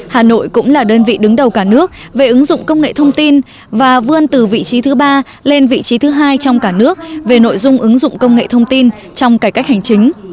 hà nội cũng là đơn vị đứng đầu cả nước về ứng dụng công nghệ thông tin và vươn từ vị trí thứ ba lên vị trí thứ hai trong cả nước về nội dung ứng dụng công nghệ thông tin trong cải cách hành chính